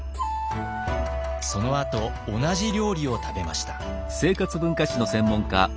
そのあと同じ料理を食べました。